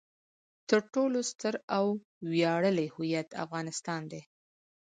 تر ټولو ستر او ویاړلی هویت افغانستان دی.